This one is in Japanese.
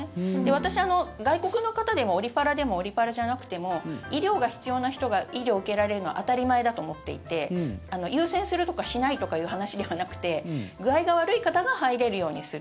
私、外国の方でもオリ・パラでもオリ・パラじゃなくても医療が必要な人が医療を受けられるのは当たり前だと思っていて優先するとかしないとかいう話ではなくて具合が悪い方が入れるようにする。